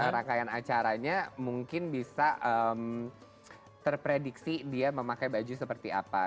rangkaian acaranya mungkin bisa terprediksi dia memakai baju seperti apa